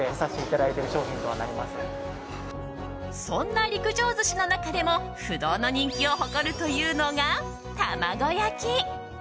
そんな陸上寿司の中でも不動の人気を誇るというのがたまご焼き。